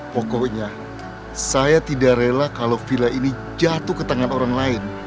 pokoknya saya tidak rela kalau villa ini jatuh ke tangan orang lain